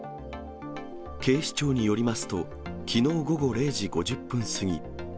警視庁によりますと、きのう午後０時５０分過ぎ。